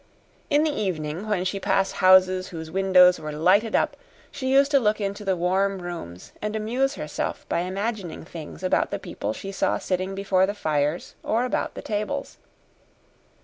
In the evening, when she passed houses whose windows were lighted up, she used to look into the warm rooms and amuse herself by imagining things about the people she saw sitting before the fires or about the tables.